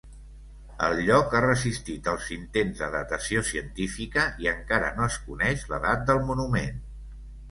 El lloc ha resistit els intents de datació científica i encara no es coneix l'edat del monument.